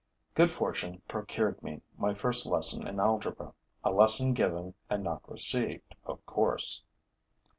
Good fortune procured me my first lesson in algebra, a lesson given and not received, of course.